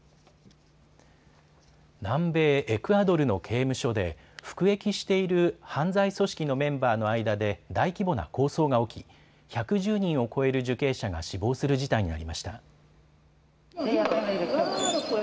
南米エクアドルの刑務所で服役している犯罪組織のメンバーの間で大規模な抗争が起き、１１０人を超える受刑者が死亡する事態になりました。